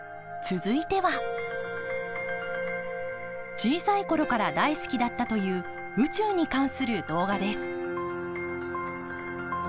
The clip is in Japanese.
小さい頃から大好きだったという宇宙に関する動画です。